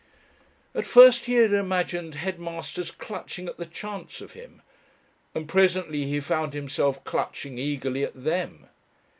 At first he had imagined headmasters clutching at the chance of him, and presently he found himself clutching eagerly at them.